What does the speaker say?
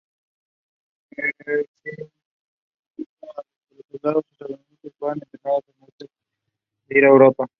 Pershing insistió en que los soldados estadounidenses fueran entrenados antes de ir a Europa.